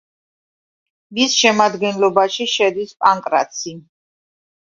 მის შემადგენლობაში შედის პანკრაცი.